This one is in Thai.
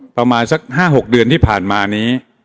ประมาณสัก๕๖เดือนที่ผ่านมานี้